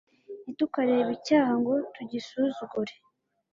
ntitukarebe icyaha ngo tugisuzugure